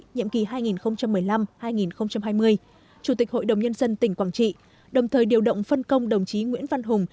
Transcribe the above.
nhiệm kỳ hai nghìn một mươi năm hai nghìn hai mươi chủ tịch hội đồng nhân dân tỉnh quảng trị đồng thời điều động phân công đồng chí nguyễn văn hùng